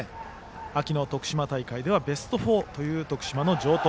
秋の徳島大会ではベスト４という徳島の城東。